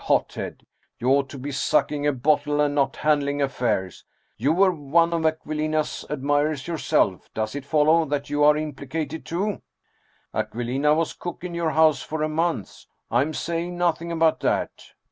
Hot head ! You ought to be sucking a bottle, and not handling affairs ! You were one of Aquilina's admirers yourself does it follow that you are implicated too ?"" Aquilina was cook in your house for a month. I am saying nothing about that!